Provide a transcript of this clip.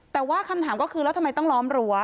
แต่ว่าคำถามก็คือแล้วทำไมต้องล้อมรั้ว